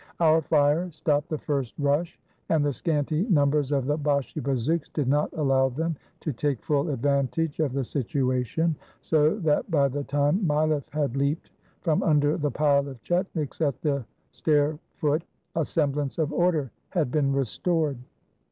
Our fire stopped the first rush, and the scanty numbers of the Bashi bazouks did not allow them to take full advan tage of the situation, so that by the time Mileff had leaped from under the pile of chdniks at the stair foot, a semblance of order had been restored.